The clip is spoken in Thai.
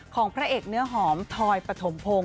ของพระเอกเนื้อเหาะถอยปฐมพงศ์